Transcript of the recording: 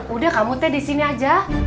udah kamu teh di sini aja